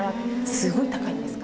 すごい高いんですか？